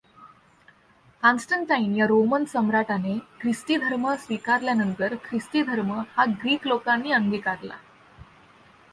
कॉन्स्टंटाईन या रोमन सम्राटाने ख्रिस्ती धर्म स्वीकारल्यानंतर ख्रिस्ती धर्म हा ग्रीक लोकांनी अंगीकारला.